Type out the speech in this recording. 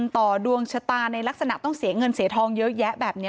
ต่อดวงชะตาในลักษณะต้องเสียเงินเสียทองเยอะแยะแบบนี้